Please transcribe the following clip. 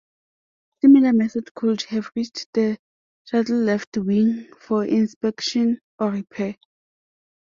Similar methods could have reached the shuttle left wing for inspection or repair.